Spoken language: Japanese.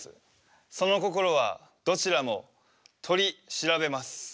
その心はどちらもとりしらべます。